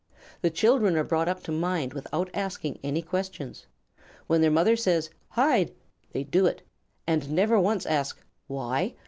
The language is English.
The children are brought up to mind without asking any questions. When their mother says, "Hide!" they do it, and never once ask "Why?"